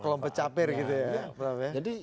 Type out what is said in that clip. tepelompe capir gitu ya